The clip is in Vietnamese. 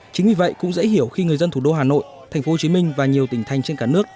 chính vì vậy cũng dễ hiểu khi người dân thủ đô hà nội thành phố hồ chí minh và nhiều tỉnh thành trên cả nước